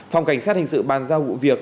phòng cảnh sát hình sự bàn giao vụ việc